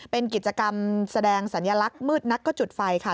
เป็นกิจกรรมแสดงสัญลักษณ์มืดนักก็จุดไฟค่ะ